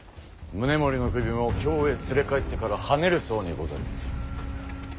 宗盛の首も京へ連れ帰ってからはねるそうにございます。